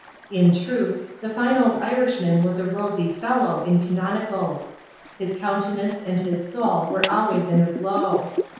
In truth, the fine old Irishman was a rosy fellow in canonicals. His coun tenance and his soul were always in a glow.